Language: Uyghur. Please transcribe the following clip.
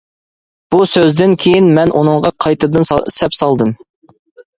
بۇ سۆزدىن كىيىن مەن ئۇنىڭغا قايتىدىن سەپ سالدىم.